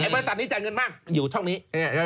บริษัทนี้จ่ายเงินมากอยู่เท่านี้